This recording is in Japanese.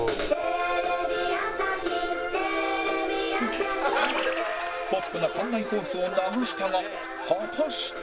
「テレビ朝日テレビ朝日」ポップな館内放送を流したが果たして